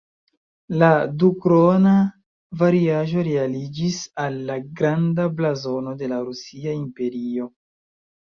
La "dukrona"-variaĵo realiĝis en la "Granda blazono de la Rusia Imperio".